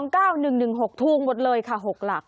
๒๒๙๑๑๖ถูกหมดเลยค่ะ๖หลัก